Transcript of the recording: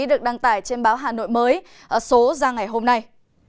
được đăng tải trên báo hà nội mới số ra ngày hôm nay